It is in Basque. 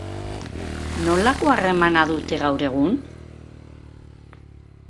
Nolako harremana dute gaur egun?